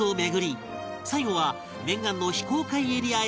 最後は念願の非公開エリアへ潜入！